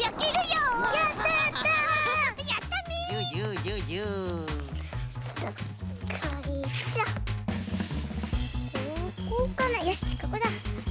よしここだ！